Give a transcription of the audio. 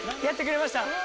「やってくれました」